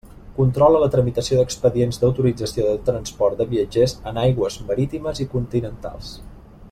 Controla la tramitació d'expedients d'autorització de transport de viatgers en aigües marítimes i continentals.